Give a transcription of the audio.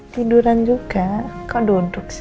tiduran juga kau duduk sih